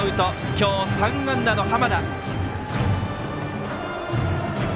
今日３安打の濱田。